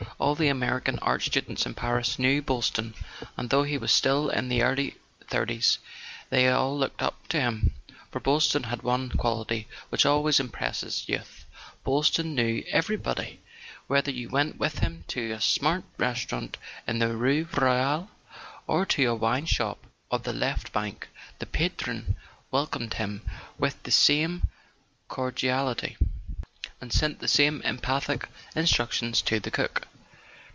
All the American art students in Paris knew Boyl ston; and though he was still in the early thirties, they all looked up to him. For Boylston had one quality which always impresses youth: Boylston knew every¬ body. Whether you went with him to a smart restau¬ rant in the rue Royale, or to a wine shop of the Left Bank, the 'patron welcomed him with the same cor¬ diality, and sent the same emphatic instructions to the cook.